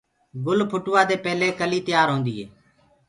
گُل ڦُٽوآدي پيلي ڪلي تيآر هوندي هي۔